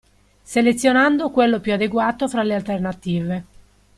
Selezionando quello più adeguato fra le alternative.